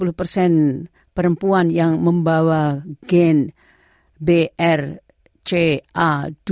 sekitar tujuh puluh persen perempuan yang membawa gen brca dua